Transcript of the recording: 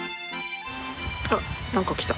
あっ何か来た。